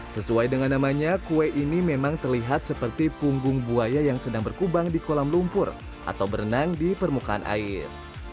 sesuai dengan namanya kue ini memang terlihat seperti punggung buaya yang sedang berkubang di kolam lumpur atau berenang di permukaan air